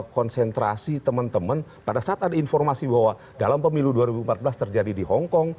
konsentrasi teman teman pada saat ada informasi bahwa dalam pemilu dua ribu empat belas terjadi di hongkong